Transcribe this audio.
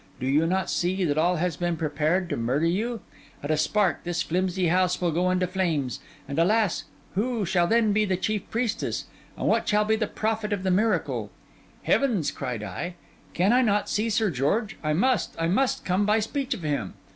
Do you not see that all has been prepared to murder you? at a spark, this flimsy house will go in flames; and alas! who shall then be the chief priestess? and what shall be the profit of the miracle?' 'Heavens!' cried I, 'can I not see Sir George? I must, I must, come by speech of him.